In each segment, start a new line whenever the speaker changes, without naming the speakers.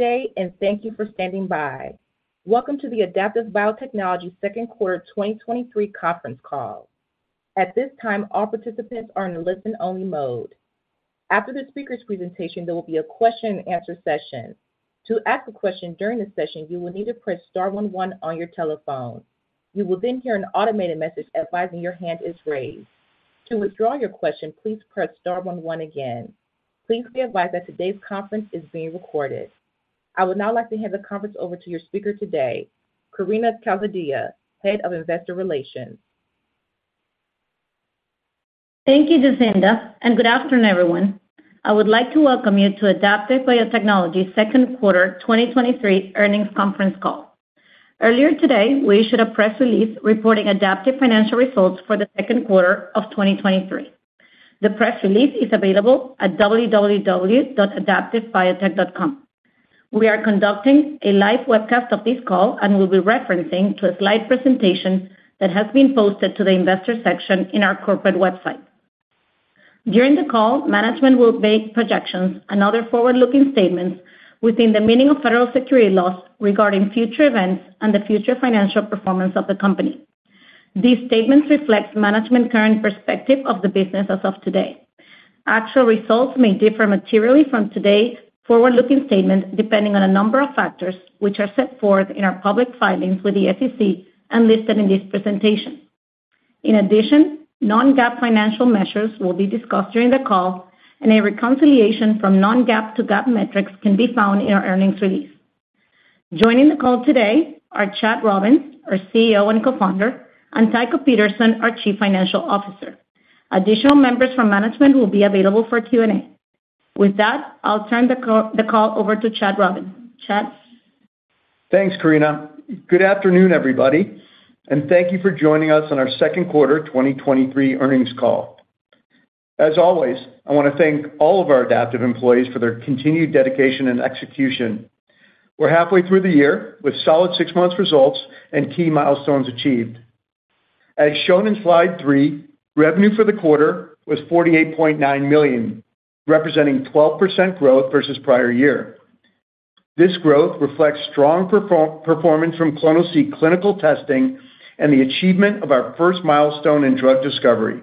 today. Thank you for standing by. Welcome to the Adaptive Biotechnologies second quarter 2023 conference call. At this time, all participants are in a listen-only mode. After the speaker's presentation, there will be a question-and-answer session. To ask a question during the session, you will need to press star one one on your telephone. You will then hear an automated message advising your hand is raised. To withdraw your question, please press star one one again. Please be advised that today's conference is being recorded. I would now like to hand the conference over to your speaker today, Karina Calzadilla, Head of Investor Relations.
Thank you, Jacinda. Good afternoon, everyone. I would like to welcome you to Adaptive Biotechnologies' second quarter 2023 earnings conference call. Earlier today, we issued a press release reporting Adaptive financial results for the second quarter of 2023. The press release is available at www.adaptivebiotech.com. We are conducting a live webcast of this call and will be referencing to a slide presentation that has been posted to the investor section in our corporate website. During the call, management will make projections and other forward-looking statements within the meaning of federal securities laws regarding future events and the future financial performance of the company. These statements reflect management's current perspective of the business as of today. Actual results may differ materially from today's forward-looking statement, depending on a number of factors, which are set forth in our public filings with the SEC and listed in this presentation. In addition, non-GAAP financial measures will be discussed during the call, and a reconciliation from non-GAAP to GAAP metrics can be found in our earnings release. Joining the call today are Chad Robins, our CEO and Co-founder, and Tycho Pedersen, our Chief Financial Officer. Additional members from management will be available for Q&A. With that, I'll turn the call over to Chad Robins. Chad?
Thanks, Karina. Good afternoon, everybody, thank you for joining us on our second quarter 2023 earnings call. As always, I want to thank all of our Adaptive employees for their continued dedication and execution. We're halfway through the year with solid six months results and key milestones achieved. As shown in slide 3, revenue for the quarter was $48.9 million, representing 12% growth versus prior year. This growth reflects strong performance from clonoSEQ clinical testing and the achievement of our first milestone in drug discovery,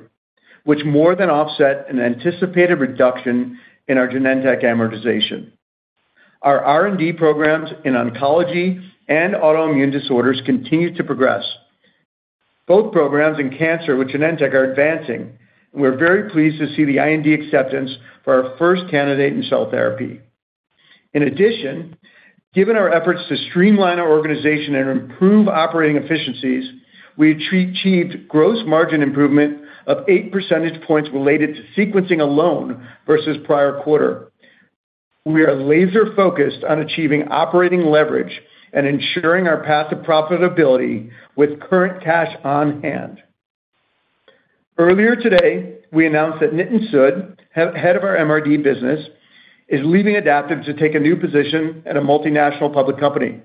which more than offset an anticipated reduction in our Genentech amortization. Our R&D programs in oncology and autoimmune disorders continue to progress. Both programs in cancer with Genentech are advancing, we're very pleased to see the IND acceptance for our first candidate in cell therapy. In addition, given our efforts to streamline our organization and improve operating efficiencies, we achieved gross margin improvement of 8 percentage points related to sequencing alone versus prior quarter. We are laser-focused on achieving operating leverage and ensuring our path to profitability with current cash on hand. Earlier today, we announced that Nitin Sood, Head of our MRD business, is leaving Adaptive to take a new position at a multinational public company.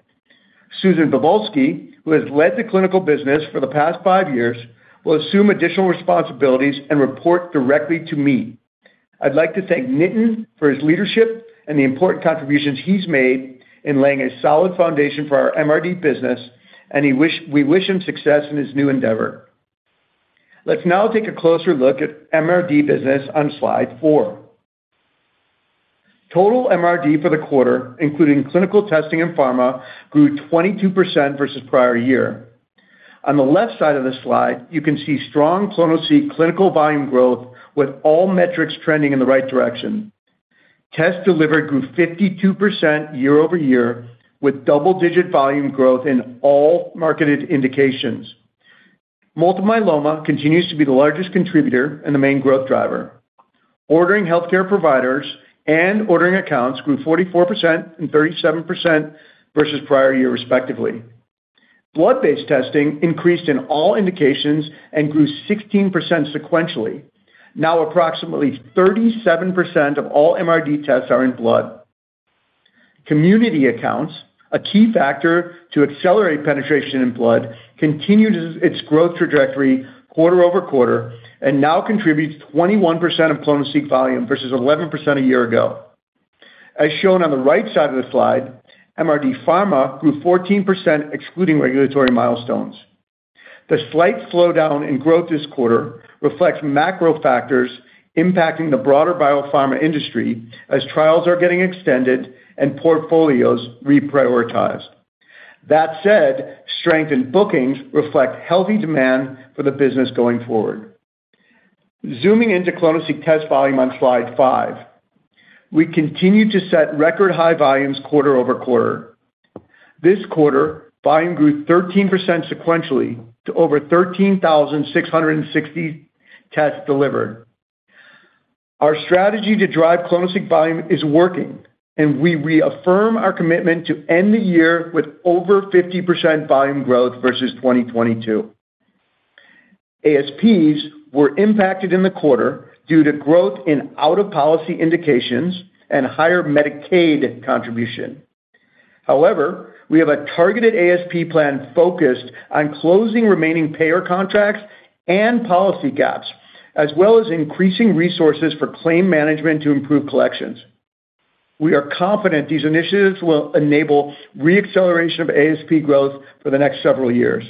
Susan Bobulsky, who has led the clinical business for the past 5 years, will assume additional responsibilities and report directly to me. I'd like to thank Nitin for his leadership and the important contributions he's made in laying a solid foundation for our MRD business, and we wish him success in his new endeavor. Let's now take a closer look at MRD business on slide 4. Total MRD for the quarter, including clinical testing and pharma, grew 22% versus prior year. On the left side of this slide, you can see strong clonoSEQ clinical volume growth with all metrics trending in the right direction. Tests delivered grew 52% year-over-year, with double-digit volume growth in all marketed indications. multiple myeloma continues to be the largest contributor and the main growth driver. Ordering healthcare providers and ordering accounts grew 44% and 37% versus prior year, respectively. Blood-based testing increased in all indications and grew 16% sequentially. Now, approximately 37% of all MRD tests are in blood. Community accounts, a key factor to accelerate penetration in blood, continued its growth trajectory quarter-over-quarter and now contributes 21% of clonoSEQ volume versus 11% a year ago. As shown on the right side of the slide, MRD Pharma grew 14%, excluding regulatory milestones. The slight slowdown in growth this quarter reflects macro factors impacting the broader biopharma industry as trials are getting extended and portfolios reprioritized. That said, strength in bookings reflect healthy demand for the business going forward. Zooming into clonoSEQ test volume on slide 5, we continue to set record high volumes quarter-over-quarter. This quarter, volume grew 13% sequentially to over 13,660 tests delivered. Our strategy to drive clonoSEQ volume is working, and we reaffirm our commitment to end the year with over 50% volume growth versus 2022. ASPs were impacted in the quarter due to growth in out-of-policy indications and higher Medicaid contribution.... However, we have a targeted ASP plan focused on closing remaining payer contracts and policy gaps, as well as increasing resources for claim management to improve collections. We are confident these initiatives will enable re-acceleration of ASP growth for the next several years.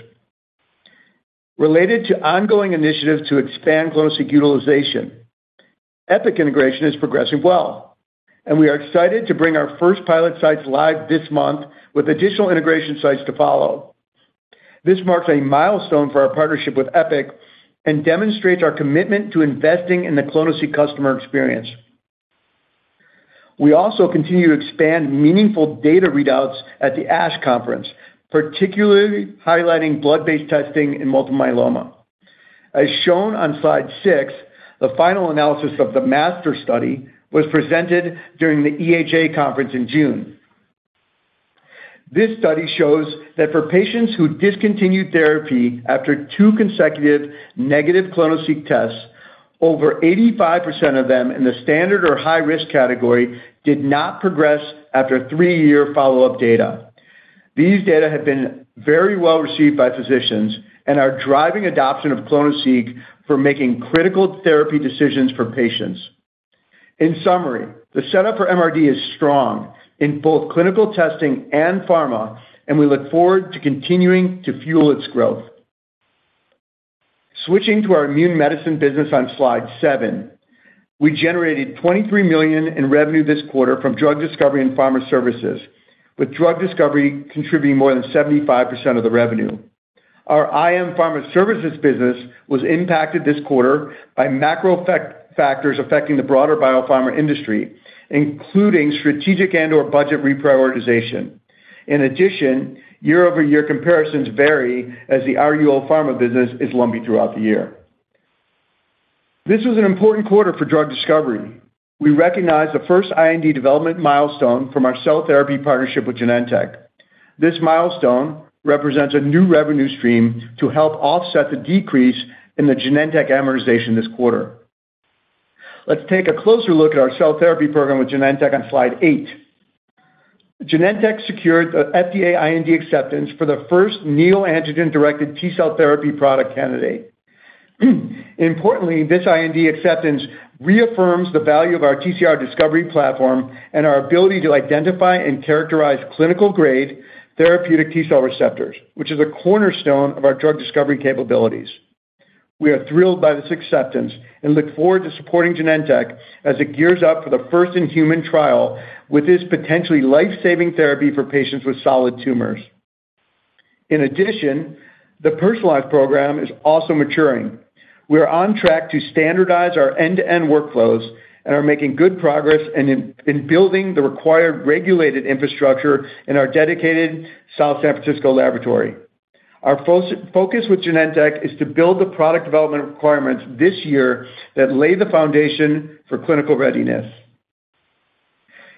Related to ongoing initiatives to expand clonoSEQ utilization, Epic integration is progressing well, and we are excited to bring our first pilot sites live this month, with additional integration sites to follow. This marks a milestone for our partnership with Epic and demonstrates our commitment to investing in the clonoSEQ customer experience. We also continue to expand meaningful data readouts at the ASH Annual Meeting, particularly highlighting blood-based testing in multiple myeloma. As shown on slide 6, the final analysis of the MASTER study was presented during the EHA Congress in June. This study shows that for patients who discontinued therapy after 2 consecutive negative clonoSEQ tests, over 85% of them in the standard or high-risk category did not progress after a 3-year follow-up data. These data have been very well-received by physicians and are driving adoption of clonoSEQ for making critical therapy decisions for patients. In summary, the setup for MRD is strong in both clinical testing and pharma, and we look forward to continuing to fuel its growth. Switching to our Immune Medicine business on slide 7, we generated $23 million in revenue this quarter from drug discovery and pharma services, with drug discovery contributing more than 75% of the revenue. Our IM Pharma Services business was impacted this quarter by macro factors affecting the broader Biopharma industry, including strategic and or budget reprioritization. In addition, year-over-year comparisons vary as the RUO pharma business is lumpy throughout the year. This was an important quarter for drug discovery. We recognized the first IND development milestone from our cell therapy partnership with Genentech. This milestone represents a new revenue stream to help offset the decrease in the Genentech amortization this quarter. Let's take a closer look at our cell therapy program with Genentech on slide 8. Genentech secured the FDA IND acceptance for the first neoantigen-directed T-cell therapy product candidate. Importantly, this IND acceptance reaffirms the value of our TCR discovery platform and our ability to identify and characterize clinical-grade therapeutic T-cell receptors, which is a cornerstone of our drug discovery capabilities. We are thrilled by this acceptance and look forward to supporting Genentech as it gears up for the first in-human trial with this potentially life-saving therapy for patients with solid tumors. In addition, the personalized program is also maturing. We are on track to standardize our end-to-end workflows and are making good progress in building the required regulated infrastructure in our dedicated South San Francisco laboratory. Our focus with Genentech is to build the product development requirements this year that lay the foundation for clinical readiness.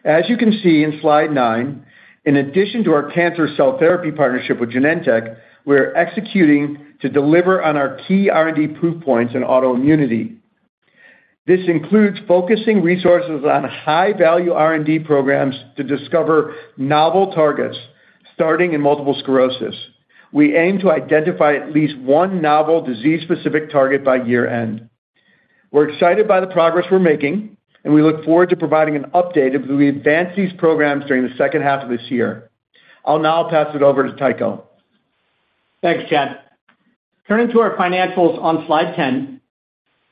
As you can see in slide nine, in addition to our cancer cell therapy partnership with Genentech, we are executing to deliver on our key R&D proof points in autoimmunity. This includes focusing resources on high-value R&D programs to discover novel targets, starting in multiple sclerosis. We aim to identify at least one novel disease-specific target by year-end. We're excited by the progress we're making, and we look forward to providing an update as we advance these programs during the second half of this year. I'll now pass it over to Tycho.
Thanks, Chad. Turning to our financials on slide 10,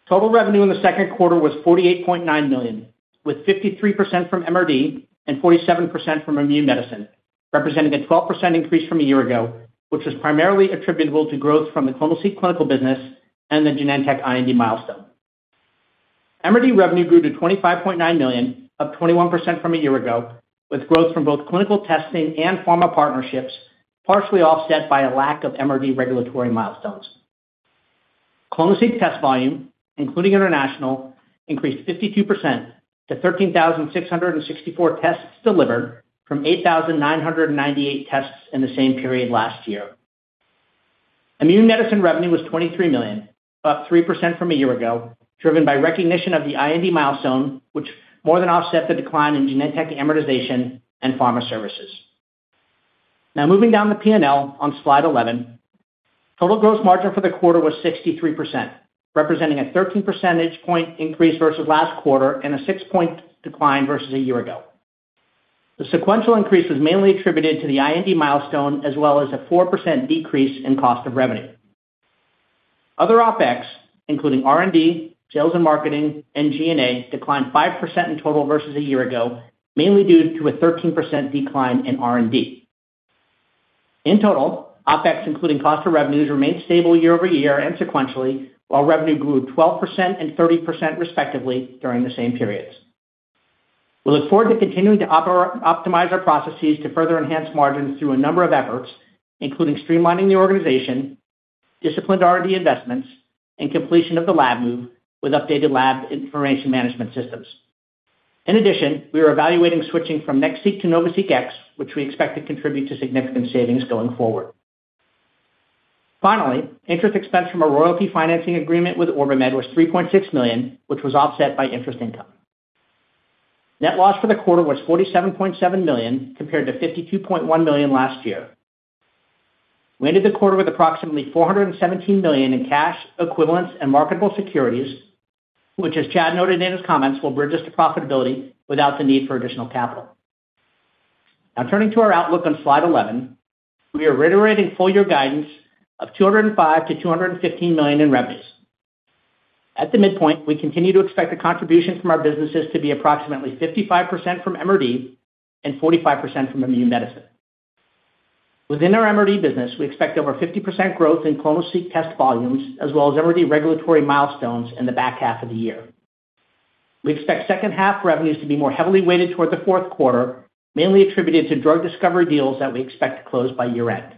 total revenue in the second quarter was $48.9 million, with 53% from MRD and 47% from Immune Medicine, representing a 12% increase from a year ago, which is primarily attributable to growth from the clonoSEQ clinical business and the Genentech IND milestone. MRD revenue grew to $25.9 million, up 21% from a year ago, with growth from both clinical testing and pharma partnerships, partially offset by a lack of MRD regulatory milestones. clonoSEQ test volume, including international, increased 52% to 13,664 tests delivered from 8,998 tests in the same period last year. Immune Medicine revenue was $23 million, up 3% from a year ago, driven by recognition of the IND milestone, which more than offset the decline in Genentech amortization and pharma services. Moving down the P&L on slide 11, total gross margin for the quarter was 63%, representing a 13 percentage point increase versus last quarter and a 6-point decline versus a year ago. The sequential increase was mainly attributed to the IND milestone, as well as a 4% decrease in cost of revenue. Other OpEx, including R&D, sales and marketing, and G&A, declined 5% in total versus a year ago, mainly due to a 13% decline in R&D. In total, OpEx, including cost of revenues, remained stable year-over-year and sequentially, while revenue grew 12% and 30%, respectively, during the same periods. We look forward to continuing to optimize our processes to further enhance margins through a number of efforts, including streamlining the organization, disciplined R&D investments, completion of the lab move with updated lab information management systems. In addition, we are evaluating switching from NextSeq to NovaSeq X, which we expect to contribute to significant savings going forward. Finally, interest expense from a royalty financing agreement with OrbiMed was $3.6 million, which was offset by interest income. Net loss for the quarter was $47.7 million, compared to $52.1 million last year. We ended the quarter with approximately $417 million in cash equivalents and marketable securities, which, as Chad noted in his comments, will bridge us to profitability without the need for additional capital. Turning to our outlook on Slide 11, we are reiterating full-year guidance of $205 million-$215 million in revenues. At the midpoint, we continue to expect the contribution from our businesses to be approximately 55% from MRD and 45% from Immune Medicine. Within our MRD business, we expect over 50% growth in clonoSEQ test volumes, as well as MRD regulatory milestones in the back half of the year. We expect second half revenues to be more heavily weighted toward the fourth quarter, mainly attributed to drug discovery deals that we expect to close by year-end.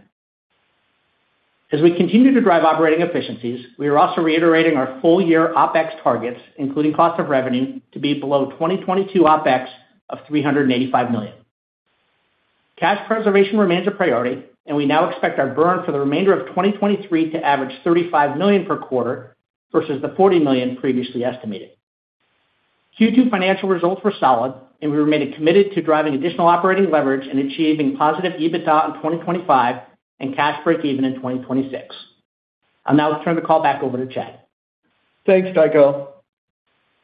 As we continue to drive operating efficiencies, we are also reiterating our full-year OpEx targets, including cost of revenue, to be below 2022 OpEx of $385 million. Cash preservation remains a priority, and we now expect our burn for the remainder of 2023 to average $35 million per quarter versus the $40 million previously estimated. Q2 financial results were solid, and we remain committed to driving additional operating leverage and achieving positive EBITDA in 2025 and cash breakeven in 2026. I'll now turn the call back over to Chad.
Thanks, Tycho.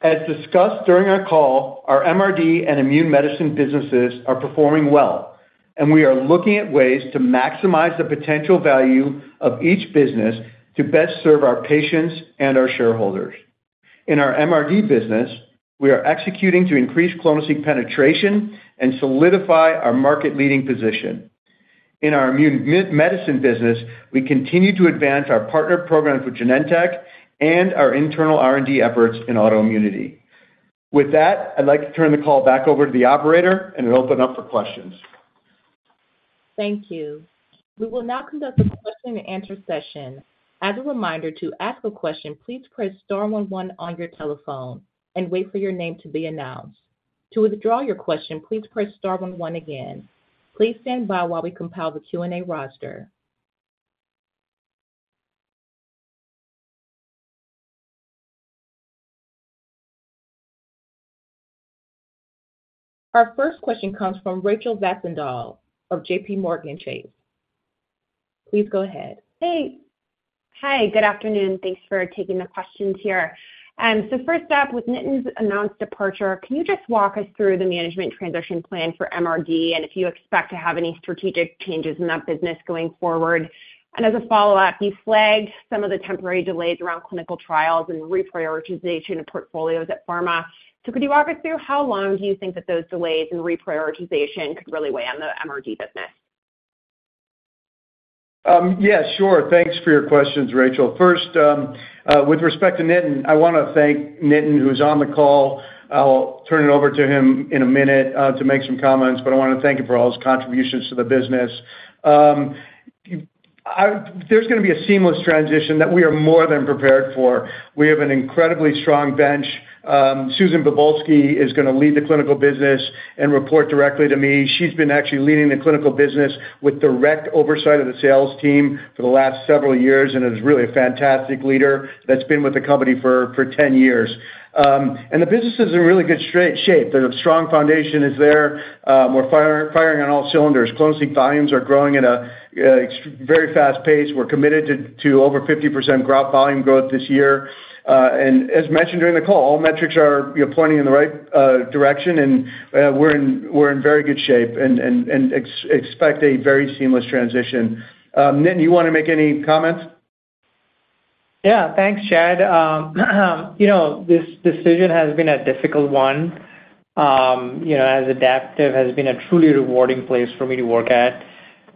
As discussed during our call, our MRD and Immune Medicine businesses are performing well, and we are looking at ways to maximize the potential value of each business to best serve our patients and our shareholders. In our MRD business, we are executing to increase clonoSEQ penetration and solidify our market-leading position. In our Immune Medicine business, we continue to advance our partner programs with Genentech and our internal R&D efforts in autoimmunity. With that, I'd like to turn the call back over to the operator and open up for questions.
Thank you. We will now conduct a question-and-answer session. As a reminder, to ask a question, please press star one one on your telephone and wait for your name to be announced. To withdraw your question, please press star one one again. Please stand by while we compile the Q&A roster. Our first question comes from Rachel Vatnsdal of JPMorgan Chase. Please go ahead.
Hey. Hi, good afternoon. Thanks for taking the questions here. First up, with Nitin's announced departure, can you just walk us through the management transition plan for MRD, and if you expect to have any strategic changes in that business going forward? As a follow-up, you flagged some of the temporary delays around clinical trials and reprioritization of portfolios at Pharma. Could you walk us through how long do you think that those delays and reprioritization could really weigh on the MRD business?
Yeah, sure. Thanks for your questions, Rachel. First, with respect to Nitin, I want to thank Nitin, who is on the call. I'll turn it over to him in a minute, to make some comments, but I want to thank him for all his contributions to the business. There's going to be a seamless transition that we are more than prepared for. We have an incredibly strong bench. Susan Bobulsky is going to lead the clinical business and report directly to me. She's been actually leading the clinical business with direct oversight of the sales team for the last several years and is really a fantastic leader that's been with the company for, for 10 years. The business is in really good straight shape. The strong foundation is there. We're firing, firing on all cylinders. Closing volumes are growing at a very fast pace. We're committed to, to over 50% grout volume growth this year. As mentioned during the call, all metrics are, you know, pointing in the right direction, and we're in, we're in very good shape and, and, and expect a very seamless transition. Nitin, you want to make any comments?
Yeah. Thanks, Chad. you know, this decision has been a difficult one, you know, as Adaptive has been a truly rewarding place for me to work at.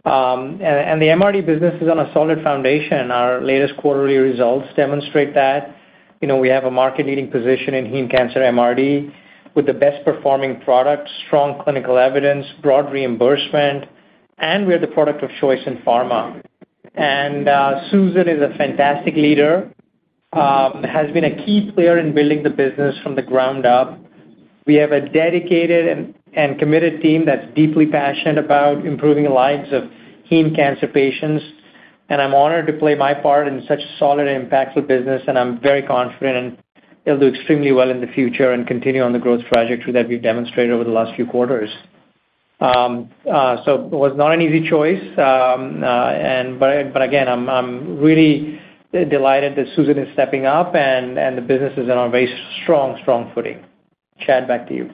The MRD business is on a solid foundation, our latest quarterly results demonstrate that. You know, we have a market-leading position inHeme cancer MRD with the best performing products, strong clinical evidence, broad reimbursement, and we are the product of choice in pharma. Susan is a fantastic leader, has been a key player in building the business from the ground up. We have a dedicated and, and committed team that's deeply passionate about improving the lives ofHeme cancer patients, and I'm honored to play my part in such a solid and impactful business, and I'm very confident it'll do extremely well in the future and continue on the growth trajectory that we've demonstrated over the last few quarters. It was not an easy choice, but again, I'm, I'm really delighted that Susan is stepping up and, and the business is on a very strong, strong footing. Chad, back to you.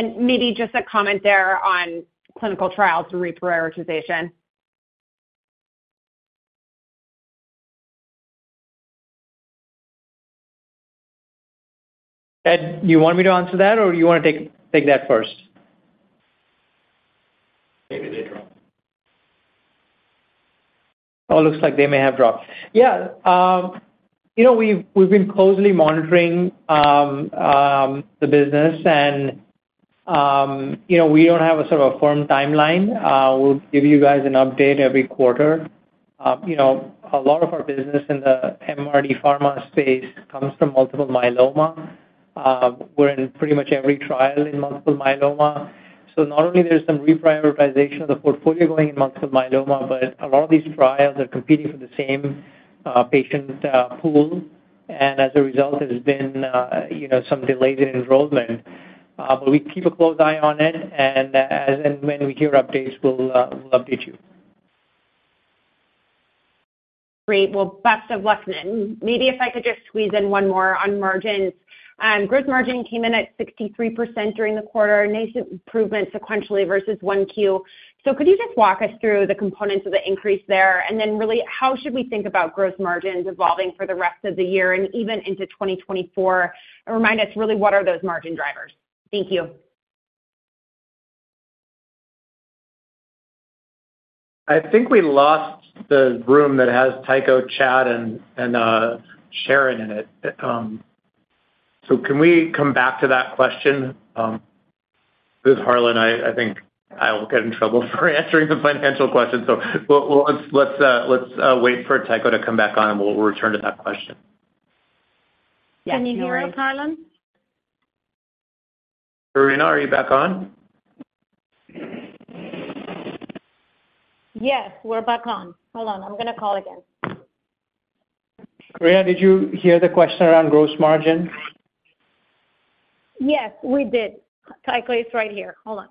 Maybe just a comment there on clinical trials reprioritization.
Chad, do you want me to answer that, or do you want to take, take that first?
Maybe they dropped.
Oh, it looks like they may have dropped. Yeah, you know, we've, we've been closely monitoring, the business and, you know, we don't have a sort of a firm timeline. We'll give you guys an update every quarter.... you know, a lot of our business in the MRD Pharma space comes from multiple myeloma. We're in pretty much every trial in multiple myeloma. Not only there's some reprioritization of the portfolio going in multiple myeloma, but a lot of these trials are competing for the same patient pool. As a result, there's been, you know, some delays in enrollment. We keep a close eye on it, and as and when we hear updates, we'll update you.
Great. Well, best of luck then. Maybe if I could just squeeze in one more on margins. Gross margin came in at 63% during the quarter, a nice improvement sequentially versus 1Q. Could you just walk us through the components of the increase there? Really, how should we think about gross margins evolving for the rest of the year and even into 2024? Remind us, really, what are those margin drivers? Thank you.
I think we lost the room that has Tycho, Chad, and, and Sharon in it. Can we come back to that question? This is Harlan, I, I think I will get in trouble for answering the financial question, so but well, let's, let's, let's, wait for Tycho to come back on, and we'll return to that question.
Yes.
Can you hear us, Harlan?
Karina, are you back on?
Yes, we're back on. Hold on, I'm gonna call again.
Karina, did you hear the question around gross margin?
Yes, we did. Tycho is right here. Hold on.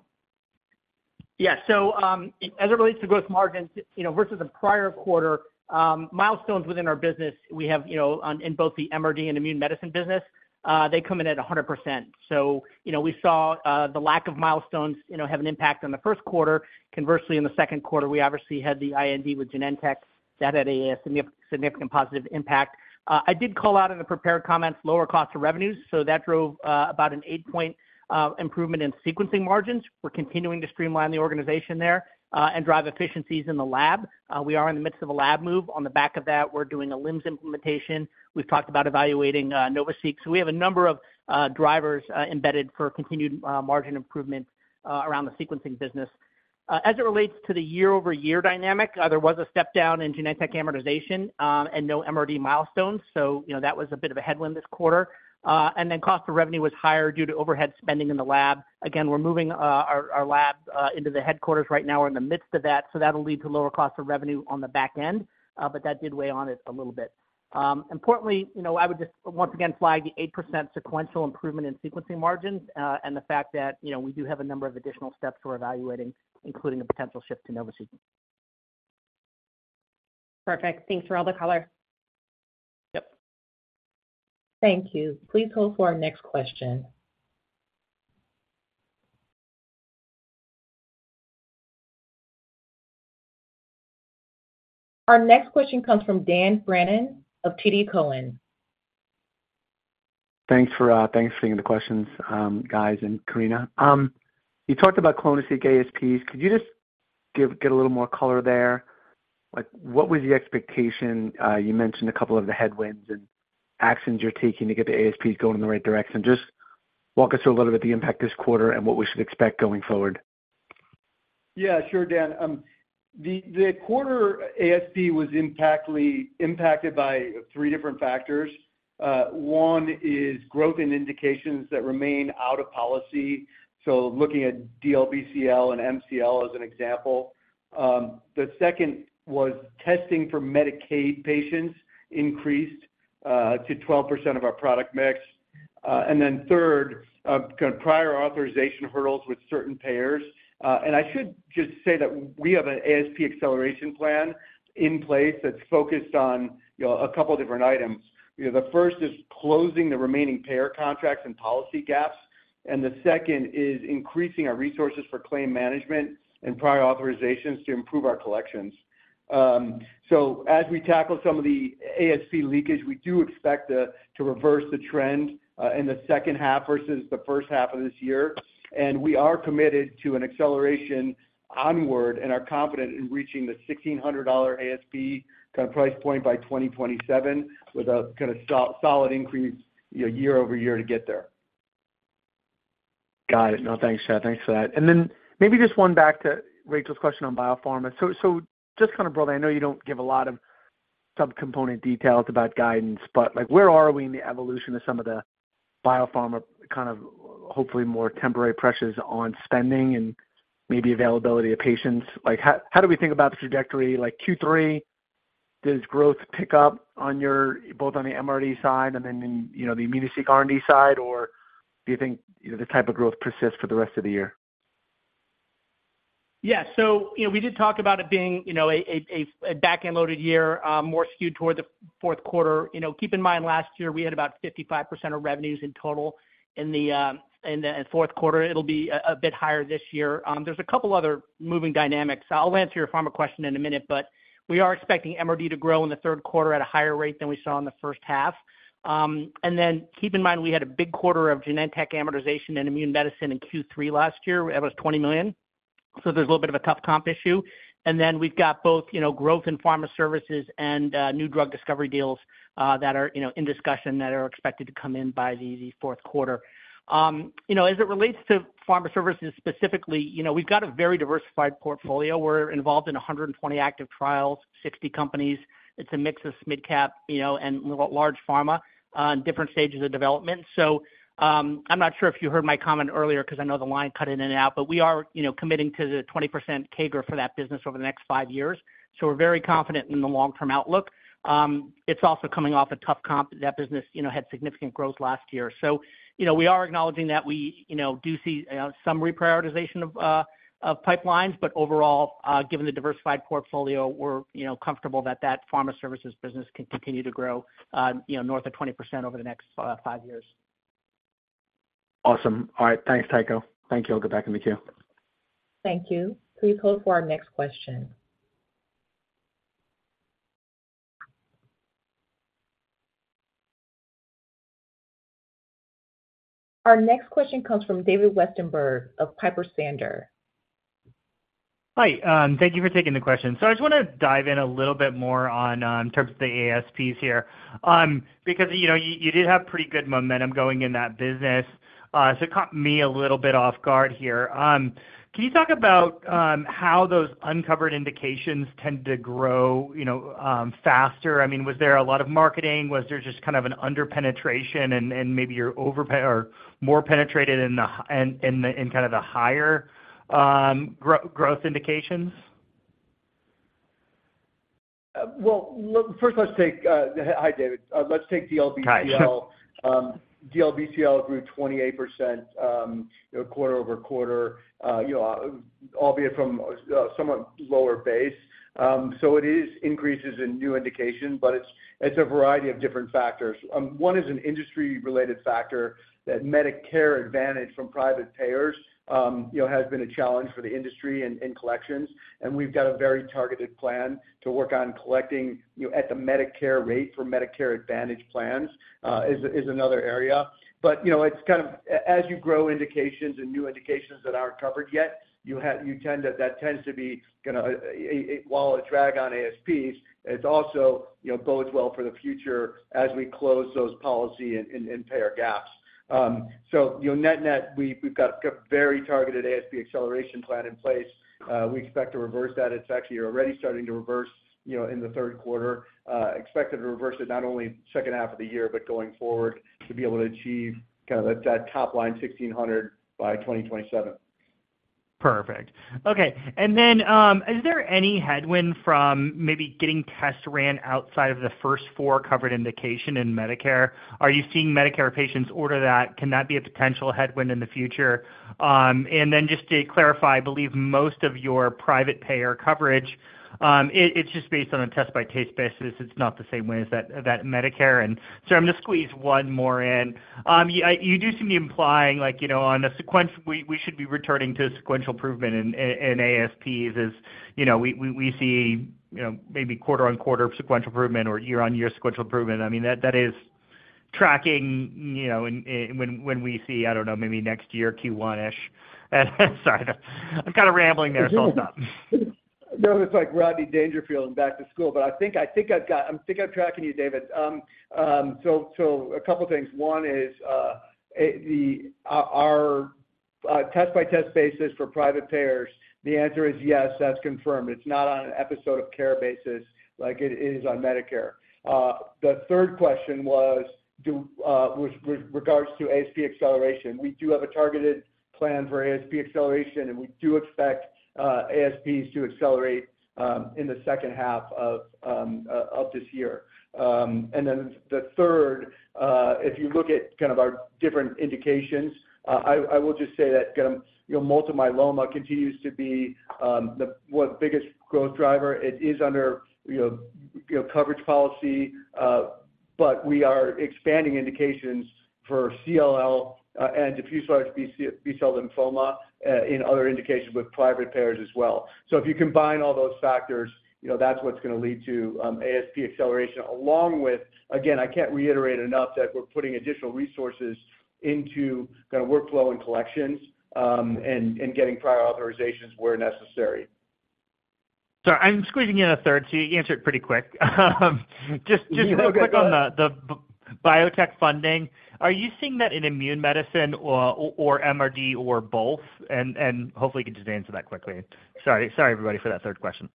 Yeah, so, as it relates to gross margins, you know, versus the prior quarter, milestones within our business, we have, you know, in both the MRD and Immune Medicine business, they come in at 100%. Conversely, in the second quarter, we obviously had the IND with Genentech. That had a significant positive impact. I did call out in the prepared comments, lower cost of revenues, so that drove about an 8-point improvement in sequencing margins. We're continuing to streamline the organization there and drive efficiencies in the lab. We are in the midst of a lab move. On the back of that, we're doing a LIMS implementation. We've talked about evaluating NovaSeq. We have a number of drivers embedded for continued margin improvement around the sequencing business. As it relates to the year-over-year dynamic, there was a step down in Genentech amortization, and no MRD milestones, so you know, that was a bit of a headwind this quarter. Cost of revenue was higher due to overhead spending in the lab. Again, we're moving our, our lab into the headquarters right now. We're in the midst of that, so that'll lead to lower cost of revenue on the back end, but that did weigh on it a little bit. Importantly, you know, I would just once again flag the 8% sequential improvement in sequencing margins, and the fact that, you know, we do have a number of additional steps we're evaluating, including a potential shift to NovaSeq.
Perfect. Thanks for all the color.
Yep.
Thank you. Please hold for our next question. Our next question comes from Dan Brennan of TD Cowen.
Thanks for thanks for taking the questions, guys and Karina. You talked about clonoSEQ ASPs. Could you just get a little more color there? Like, what was the expectation? You mentioned a couple of the headwinds and actions you're taking to get the ASP going in the right direction. Just walk us through a little bit the impact this quarter and what we should expect going forward.
Yeah, sure, Dan. The quarter ASP was impacted by 3 different factors. One is growth in indications that remain out of policy, so looking at DLBCL and MCL as an example. The second was testing for Medicaid patients increased to 12% of our product mix. Third, kind of prior authorization hurdles with certain payers. I should just say that we have an ASP acceleration plan in place that's focused on, you know, a couple of different items. You know, the first is closing the remaining payer contracts and policy gaps, and the second is increasing our resources for claim management and prior authorizations to improve our collections. As we tackle some of the ASP leakage, we do expect to reverse the trend in the second half versus the first half of this year. We are committed to an acceleration onward and are confident in reaching the $1,600 ASP kind of price point by 2027, with a kind of solid increase, you know, year over year to get there.
Got it. No, thanks, Chad. Thanks for that. Then maybe just one back to Rachel's question on biopharma. Just kind of broadly, I know you don't give a lot of subcomponent details about guidance, but like, where are we in the evolution of some of the biopharma, kind of, hopefully more temporary pressures on spending and maybe availability of patients? Like, how, how do we think about the trajectory, like Q3, does growth pick up on your, both on the MRD side and then in, you know, the ImmunoSeq R&D side? Do you think, you know, this type of growth persists for the rest of the year?
Yeah. You know, we did talk about it being, you know, a, a, a back-end loaded year, more skewed toward the fourth quarter. You know, keep in mind, last year, we had about 55% of revenues in total in the fourth quarter. It'll be a, a bit higher this year. There's two other moving dynamics. I'll answer your pharma question in a minute, but we are expecting MRD to grow in the third quarter at a higher rate than we saw in the first half. Keep in mind, we had a big quarter of Genentech amortization and Immune Medicine in Q3 last year. It was $20 million. There's a little bit of a tough comp issue, and then we've got both, you know, growth in pharma services and new drug discovery deals that are, you know, in discussion that are expected to come in by the, the fourth quarter. You know, as it relates to pharma services specifically, you know, we've got a very diversified portfolio. We're involved in 120 active trials, 60 companies. It's a mix of mid-cap, you know, and large pharma on different stages of development. I'm not sure if you heard my comment earlier because I know the line cut in and out, but we are, you know, committing to the 20% CAGR for that business over the next 5 years, so we're very confident in the long-term outlook. It's also coming off a tough comp. That business, you know, had significant growth last year. You know, we are acknowledging that we, you know, do see some reprioritization of pipelines, but overall, given the diversified portfolio, we're, you know, comfortable that that pharma services business can continue to grow, you know, north of 20% over the next 5 years.
Awesome. All right, thanks, Tycho. Thank you. I'll get back in the queue.
Thank you. Please hold for our next question. Our next question comes from David Westenberg of Piper Sandler.
Hi, thank you for taking the question. I just want to dive in a little bit more on, in terms of the ASPs here, because, you know, you, you did have pretty good momentum going in that business. It caught me a little bit off guard here. Can you talk about, how those uncovered indications tend to grow, you know, faster? I mean, was there a lot of marketing? Was there just kind of an under penetration and, and maybe you're over or more penetrated in kind of the higher growth indications?
Well, look, first, let's take, Hi, David. Let's take DLBCL.
Hi.
DLBCL grew 28%, you know, quarter-over-quarter, you know, albeit from, somewhat lower base. It is increases in new indication, but it's, it's a variety of different factors. One is an industry-related factor, that Medicare Advantage from private payers, you know, has been a challenge for the industry in, in collections, and we've got a very targeted plan to work on collecting, you know, at the Medicare rate for Medicare Advantage plans, is, is another area. You know, it's kind of as you grow indications and new indications that aren't covered yet, you tend to-- that tends to be gonna, a while a drag on ASPs, it's also, you know, bodes well for the future as we close those policy and, and, and payer gaps. You know, net, net, we've, we've got a very targeted ASP acceleration plan in place. We expect to reverse that. It's actually already starting to reverse, you know, in the third quarter. Expected to reverse it not only second half of the year, but going forward to be able to achieve kind of that, that top line $1,600 by 2027.
Perfect. Okay, then, is there any headwind from maybe getting tests ran outside of the first four covered indication in Medicare? Are you seeing Medicare patients order that? Can that be a potential headwind in the future? Then just to clarify, I believe most of your private payer coverage, it's just based on a test-by-test basis. It's not the same way as that, that Medicare. I'm gonna squeeze one more in. You do seem to be implying, like, you know, on a sequence, we should be returning to sequential improvement in ASPs, as, you know, we see, you know, maybe quarter-on-quarter sequential improvement or year-on-year sequential improvement. I mean, that, that is tracking, you know, in when we see, I don't know, maybe next year, Q1-ish. Sorry, I'm kind of rambling there, so I'll stop.
It's like Rodney Dangerfield in Back to School. I think I'm tracking you, David. A couple things. One is, our test-by-test basis for private payers, the answer is yes, that's confirmed. It's not on an episode of care basis like it is on Medicare. The third question was do, with regards to ASP acceleration, we do have a targeted plan for ASP acceleration, we do expect ASPs to accelerate in the second half of this year. The third, if you look at kind of our different indications, I will just say that, you know, multiple myeloma continues to be the 1 biggest growth driver. It is under, you know, you know, coverage policy, but we are expanding indications for CLL, and diffuse large BC- B-cell lymphoma, in other indications with private payers as well. If you combine all those factors, you know, that's what's gonna lead to, ASP acceleration, along with. Again, I can't reiterate enough that we're putting additional resources into kind of workflow and collections, and, and getting prior authorizations where necessary.
Sorry, I'm squeezing in a third, so you answered pretty quick.
Yeah, go ahead.
-Really quick on the, the biotech funding. Are you seeing that in Immune Medicine or, or MRD or both? Hopefully you can just answer that quickly. Sorry, sorry, everybody, for that third question.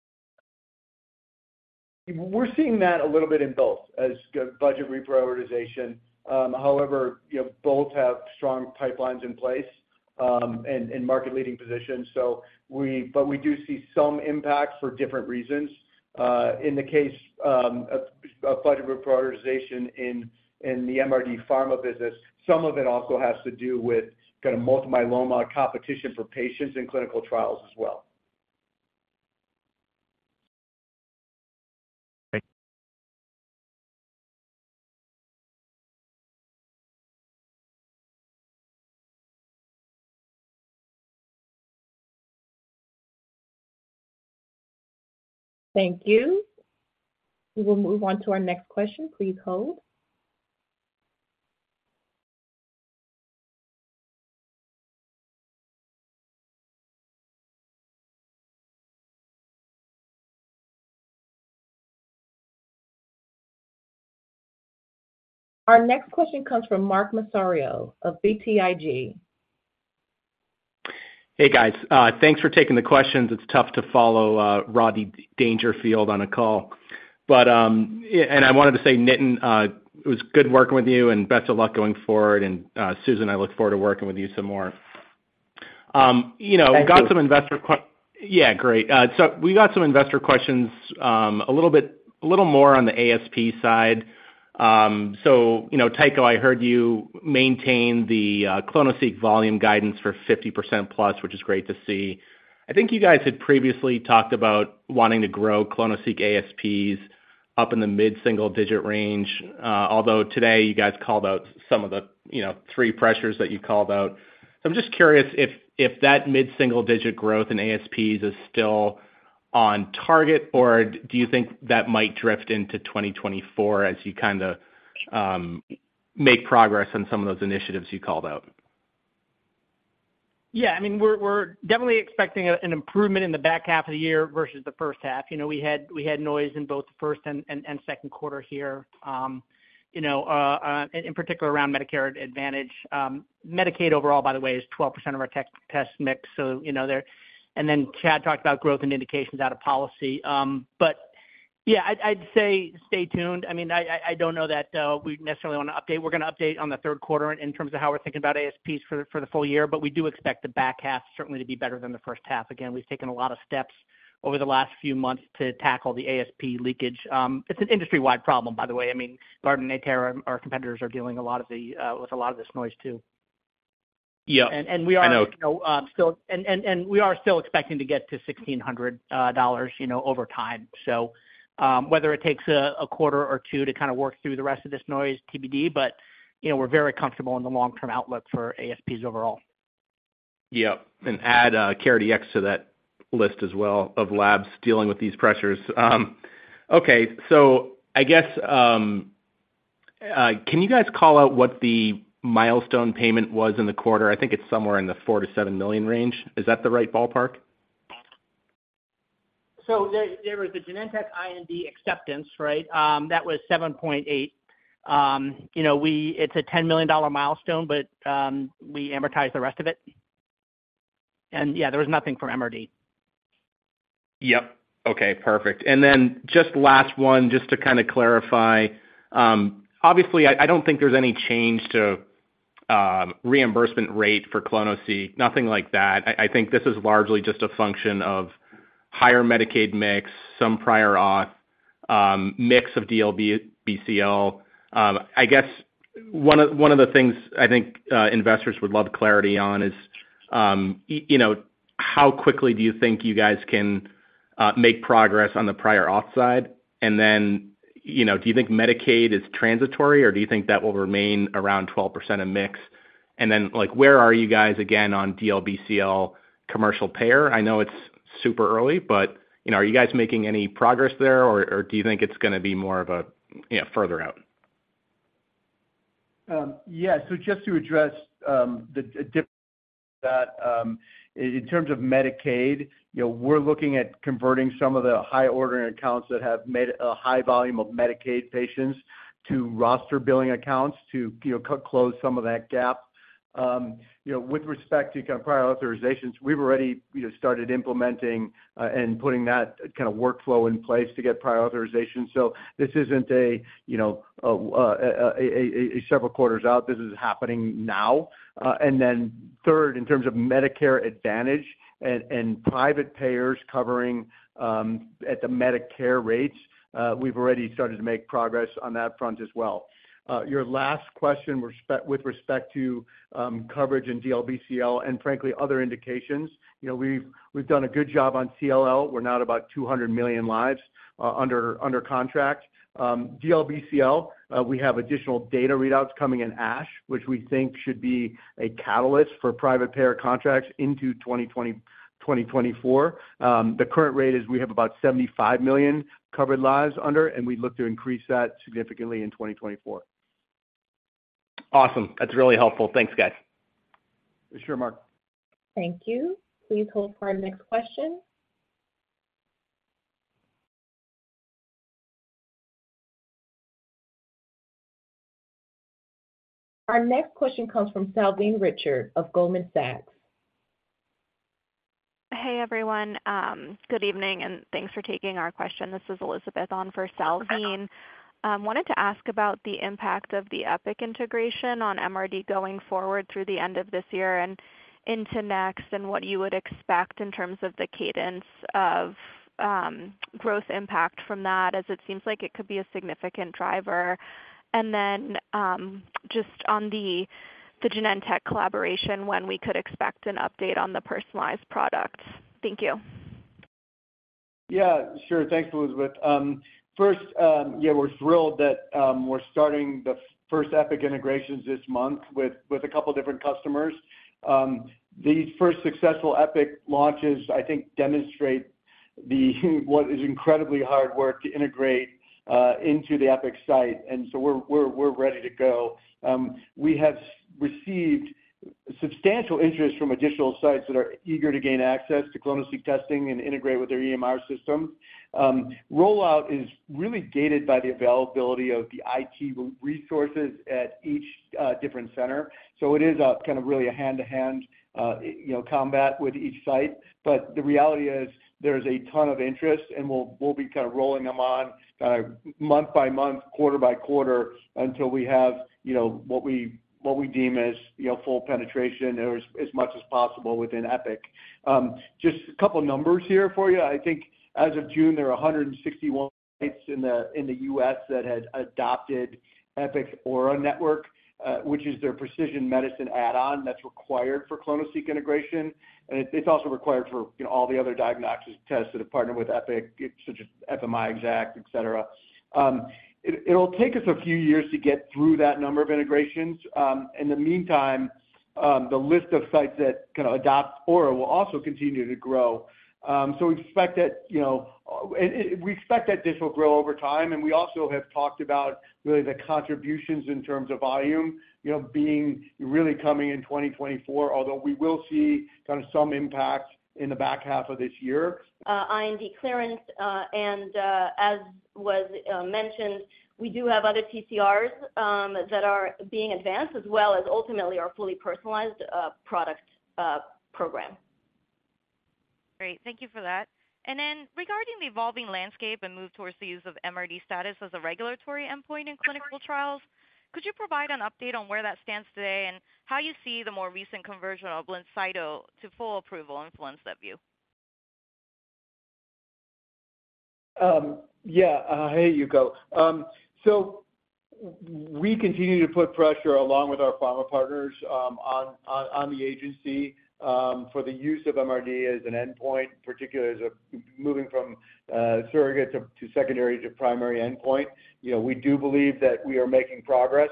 We're seeing that a little bit in both, as budget reprioritization. However, you know, both have strong pipelines in place, and, and market-leading positions. But we do see some impact for different reasons. In the case, of, of budget reprioritization in, in the MRD pharma business, some of it also has to do with kind of multiple myeloma competition for patients in clinical trials as well.
Thank you.
Thank you. We will move on to our next question. Please hold. Our next question comes from Mark Massaro of BTIG.
Hey, guys. Thanks for taking the questions. It's tough to follow, Rodney Dangerfield on a call. I wanted to say, Nitin, it was good working with you, and best of luck going forward. Susan, I look forward to working with you some more. You know.
Thank you....
We've got some investor questions. Yeah, great. We got some investor questions, a little bit, a little more on the ASP side. You know, Tycho, I heard you maintain the clonoSEQ volume guidance for 50% plus, which is great to see. I think you guys had previously talked about wanting to grow clonoSEQ ASPs up in the mid-single digit range, although today you guys called out some of the, you know, 3 pressures that you called out. I'm just curious if, if that mid-single digit growth in ASPs is still on target, or do you think that might drift into 2024 as you kinda make progress on some of those initiatives you called out?
Yeah, I mean, we're, we're definitely expecting an improvement in the back half of the year versus the first half. You know, we had, we had noise in both the first and, and, second quarter here, you know, in particular around Medicare Advantage. Medicaid overall, by the way, is 12% of our test mix, so, you know, there. Chad talked about growth and indications out of policy. But yeah, I'd, I'd say stay tuned. I mean, I, I, I don't know that we necessarily want to update. We're going to update on the third quarter in terms of how we're thinking about ASPs for, for the full year, but we do expect the back half certainly to be better than the first half. Again, we've taken a lot of steps over the last few months to tackle the ASP leakage. It's an industry-wide problem, by the way. I mean Bard and Natera, our competitors, are dealing a lot of the with a lot of this noise too.
Yeah, I know.
We are, you know, we are still expecting to get to $1,600, you know, over time. Whether it takes a quarter or two to kind of work through the rest of this noise, TBD, but, you know, we're very comfortable in the long-term outlook for ASPs overall.
Yep. add, CareDX to that list as well, of labs dealing with these pressures. Okay. I guess, can you guys call out what the milestone payment was in the quarter? I think it's somewhere in the $4 million-$7 million range. Is that the right ballpark?
There, there was a Genentech IND acceptance, right? That was $7.8. You know, it's a $10 million milestone, but we amortize the rest of it. Yeah, there was nothing for MRD.
Yep. Okay, perfect. Just last one, just to kind of clarify. Obviously, I, I don't think there's any change to reimbursement rate for clonoSEQ, nothing like that. I, I think this is largely just a function of higher Medicaid mix, some prior off, mix of DLBCL. I guess one of, one of the things I think investors would love clarity on is, you know, how quickly do you think you guys can make progress on the prior off side? You know, do you think Medicaid is transitory, or do you think that will remain around 12% of mix? Like, where are you guys again on DLBCL commercial payer? I know it's super early, but, you know, are you guys making any progress there, or, or do you think it's gonna be more of a, you know, further out?
Just to address that, in terms of Medicaid, you know, we're looking at converting some of the high ordering accounts that have made a high volume of Medicaid patients to roster billing accounts to, you know, close some of that gap. You know, with respect to kind of prior authorizations, we've already, you know, started implementing and putting that kind of workflow in place to get prior authorization. This isn't a, you know, several quarters out. This is happening now. Third, in terms of Medicare Advantage and private payers covering at the Medicare rates, we've already started to make progress on that front as well. Your last question, respect, with respect to coverage and DLBCL and frankly, other indications, you know, we've, we've done a good job on CLL. We're now at about 200 million lives under, under contract. DLBCL, we have additional data readouts coming in ASH, which we think should be a catalyst for private payer contracts into 2024. The current rate is we have about 75 million covered lives under, and we look to increase that significantly in 2024.
Awesome. That's really helpful. Thanks, guys.
Sure, Mark.
Thank you. Please hold for our next question. Our next question comes from Salveen Richter of Goldman Sachs.
Hey, everyone. Good evening, and thanks for taking our question. This is Elizabeth on for Salveen. Wanted to ask about the impact of the Epic integration on MRD going forward through the end of this year and into next, and what you would expect in terms of the cadence of growth impact from that, as it seems like it could be a significant driver. Then, just on the Genentech collaboration, when we could expect an update on the personalized products. Thank you.
Yeah, sure. Thanks, Elizabeth. First, yeah, we're thrilled that we're starting the first Epic integrations this month with a couple different customers. These first successful Epic launches, I think, demonstrate-... the, what is incredibly hard work to integrate into the Epic site, and so we're, we're, we're ready to go. We have received substantial interest from additional sites that are eager to gain access to clonoSEQ testing and integrate with their EMR system. Rollout is really gated by the availability of the IT resources at each different center. It is a, kind of really a hand-to-hand, you know, combat with each site. The reality is there's a ton of interest, and we'll, we'll be kind of rolling them on, month by month, quarter by quarter, until we have, you know, what we, what we deem as, you know, full penetration or as, as much as possible within Epic. Just a couple numbers here for you. I think as of June, there are 161 sites in the U.S. that had adopted Epic Aura Network, which is their precision medicine add-on that's required for clonoSEQ integration. It's also required for, you know, all the other diagnostics tests that have partnered with Epic, such as FMI, Exact, et cetera. It'll take us a few years to get through that number of integrations. In the meantime, the list of sites that kind of adopt Aura will also continue to grow. We expect that, you know, We expect that this will grow over time, and we also have talked about really the contributions in terms of volume, you know, being really coming in 2024, although we will see kind of some impact in the back half of this year.
IND clearance, and as was mentioned, we do have other TCRs that are being advanced as well as ultimately our fully personalized product program.
Great. Thank you for that. Then regarding the evolving landscape and move towards the use of MRD status as a regulatory endpoint in clinical trials, could you provide an update on where that stands today and how you see the more recent conversion of Blincyto to full approval influence that view?
Yeah, hey, Tycho. We continue to put pressure along with our pharma partners on the agency for the use of MRD as an endpoint, particularly as moving from surrogate to secondary to primary endpoint. You know, we do believe that we are making progress,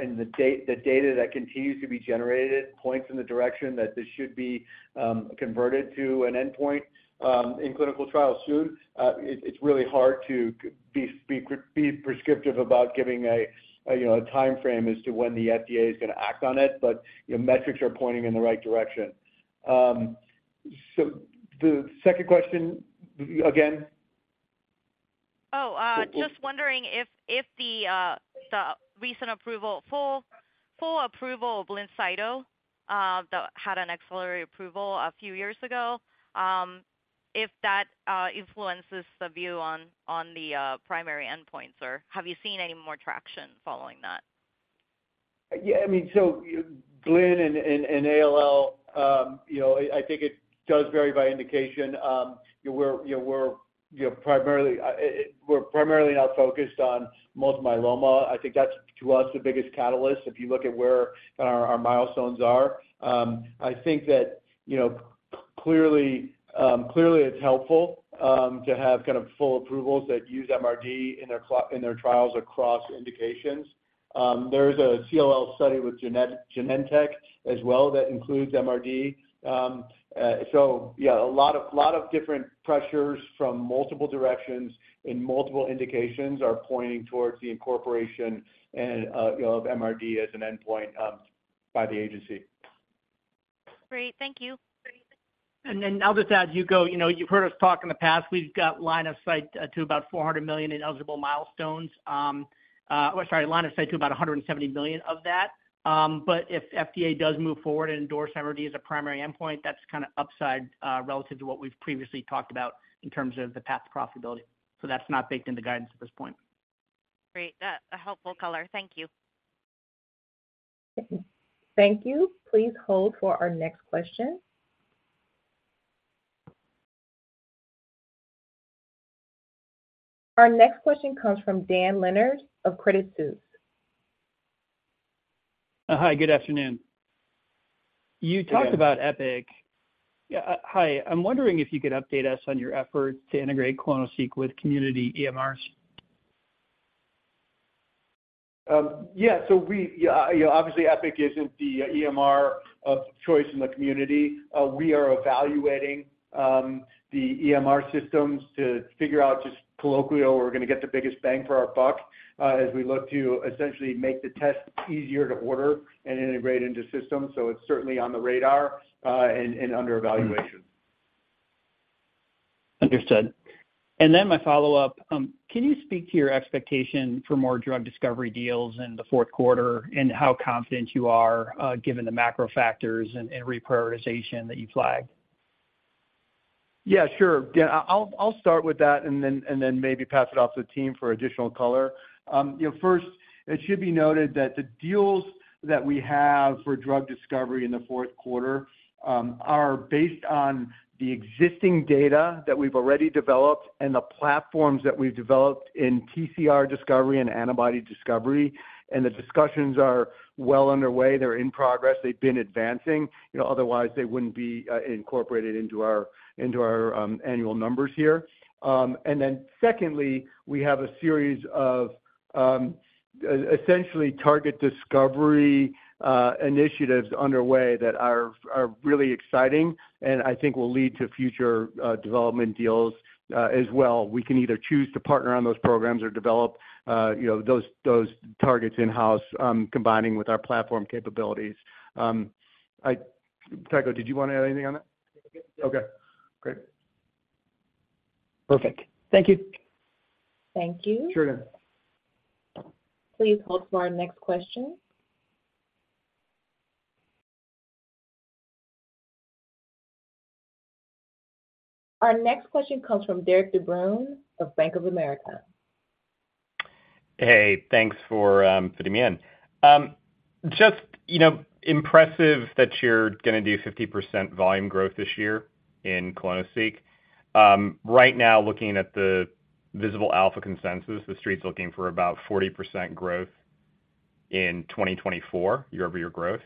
and the data that continues to be generated points in the direction that this should be converted to an endpoint in clinical trials soon. It's really hard to be prescriptive about giving a, you know, a timeframe as to when the FDA is going to act on it, but, you know, metrics are pointing in the right direction. The second question again?
just wondering if, if the, the recent approval, full, full approval of Blincyto, that had an accelerated approval a few years ago, if that, influences the view on, on the, primary endpoints, or have you seen any more traction following that?
Yeah, I mean, Blinc and, and ALL, you know, I think it does vary by indication. We're, you know, we're, you know, primarily, we're primarily now focused on multiple myeloma. I think that's, to us, the biggest catalyst if you look at where our, our milestones are. I think that, you know, clearly, clearly it's helpful to have kind of full approvals that use MRD in their trials across indications. There's a CLL study with Genentech as well that includes MRD. Yeah, a lot of, lot of different pressures from multiple directions in multiple indications are pointing towards the incorporation and, you know, of MRD as an endpoint by the agency.
Great. Thank you.
I'll just add, Tycho, you know, you've heard us talk in the past, we've got line of sight to about $400 million in eligible milestones. Or sorry, line of sight to about $170 million of that. If FDA does move forward and endorse MRD as a primary endpoint, that's kind of upside relative to what we've previously talked about in terms of the path to profitability. That's not baked in the guidance at this point.
Great. A helpful color. Thank you.
Thank you. Please hold for our next question. Our next question comes from Dan Leonard of Credit Suisse.
Hi, good afternoon. You talked-
Hey.
about Epic. Yeah, hi. I'm wondering if you could update us on your effort to integrate clonoSEQ with community EMRs?
Yeah. We, yeah, you know, obviously, Epic isn't the EMR of choice in the community. We are evaluating the EMR systems to figure out just colloquially, where we're gonna get the biggest bang for our buck, as we look to essentially make the test easier to order and integrate into systems. It's certainly on the radar, and under evaluation.
Understood. Then my follow-up, can you speak to your expectation for more drug discovery deals in the fourth quarter and how confident you are, given the macro factors and, and reprioritization that you flagged?
Yeah, sure. Yeah, I'll, I'll start with that and then, and then maybe pass it off to the team for additional color. You know, first, it should be noted that the deals that we have for drug discovery in the fourth quarter, are based on the existing data that we've already developed and the platforms that we've developed in TCR discovery and antibody discovery, and the discussions are well underway. They're in progress. They've been advancing, you know, otherwise they wouldn't be, incorporated into our, into our, annual numbers here. Secondly, we have a series of, essentially target discovery, initiatives underway that are, are really exciting and I think will lead to future, development deals, as well. We can either choose to partner on those programs or develop, you know, those, those targets in-house, combining with our platform capabilities. Tycho, did you want to add anything on that?
Okay.
Okay, great.
Perfect. Thank you. Thank you.
Sure, yeah.
Please hold for our next question. Our next question comes from Derik de Bruin of Bank of America.
Hey, thanks for fitting me in. Just, you know, impressive that you're gonna do 50% volume growth this year in clonoSEQ. Right now, looking at the Visible Alpha consensus, the street's looking for about 40% growth in 2024, year-over-year growth.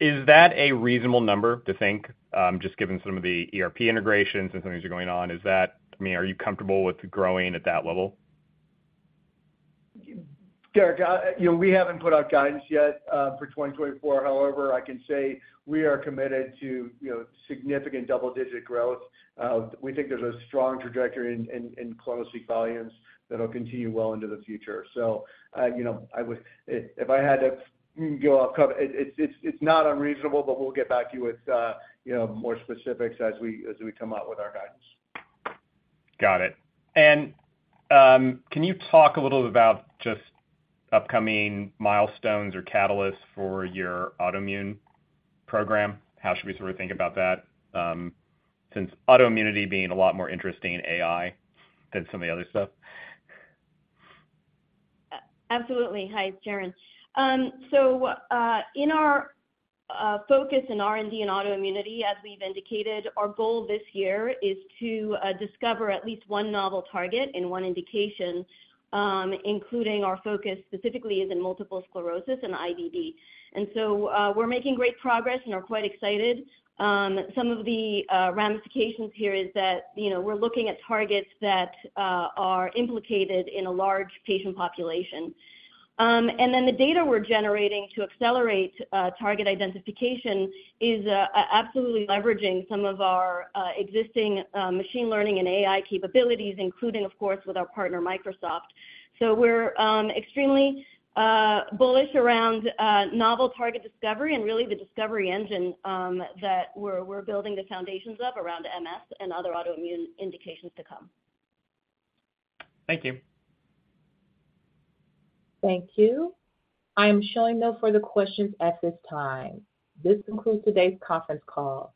Is that a reasonable number to think, just given some of the ERP integrations and some things are going on, I mean, are you comfortable with growing at that level?
Derik, you know, we haven't put out guidance yet for 2024. However, I can say we are committed to, you know, significant double-digit growth. We think there's a strong trajectory in clonoSEQ volumes that will continue well into the future. If, if I had to go off cover, it, it's, it's, it's not unreasonable, but we'll get back to you with, you know, more specifics as we, as we come out with our guidance.
Got it. Can you talk a little about just upcoming milestones or catalysts for your autoimmune program? How should we sort of think about that, since autoimmunity being a lot more interesting in AI than some of the other stuff?
Absolutely. Hi, it's Sharon. In our focus in R&D and autoimmunity, as we've indicated, our goal this year is to discover at least 1 novel target and 1 indication, including our focus specifically is in multiple sclerosis and IBD. We're making great progress and are quite excited. Some of the ramifications here is that, you know, we're looking at targets that are implicated in a large patient population. The data we're generating to accelerate target identification is absolutely leveraging some of our existing machine learning and AI capabilities, including, of course, with our partner, Microsoft. We're extremely bullish around novel target discovery and really the discovery engine that we're building the foundations up around MS and other autoimmune indications to come.
Thank you.
Thank you. I am showing no further questions at this time. This concludes today's conference call.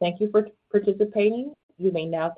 Thank you for participating. You may now disconnect.